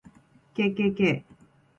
kkk